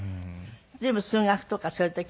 随分数学とかそういう時。